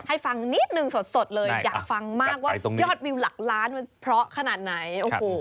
ให้ฟังนิดนึงสดเลยอยากฟังมากว่ายอดวิวหลักล้านมันเพราะขนาดไหนโอ้โห